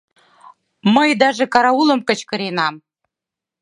Мый даже караулым кычкыренам...